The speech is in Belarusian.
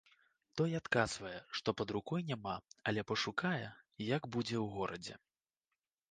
Той адказвае, што пад рукой няма, але пашукае, як будзе ў горадзе.